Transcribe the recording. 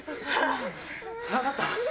分かった。